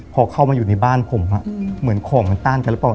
พอเข้ามาอยู่ในบ้านผมเหมือนของมันต้านกันหรือเปล่า